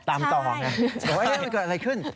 ก็ว่าเฮ้ยมันเกิดอะไรขึ้น